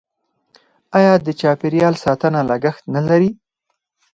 آیا د چاپیریال ساتنه لګښت نلري؟